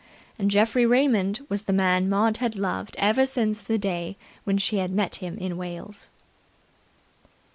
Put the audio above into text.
And Geoffrey Raymond was the man Maud had loved ever since the day when she had met him in Wales.